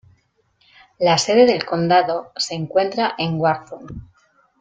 La sede del condado se encuentra en Wharton.